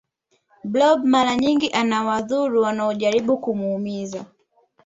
blob mara nyingi anawadhuru wanaojaribu kumuumiza